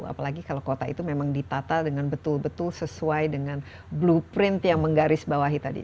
apalagi kalau kota itu memang ditata dengan betul betul sesuai dengan blueprint yang menggarisbawahi tadi